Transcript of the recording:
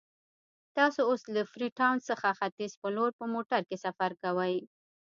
تاسو اوس له فري ټاون څخه ختیځ په لور په موټر کې سفر کوئ.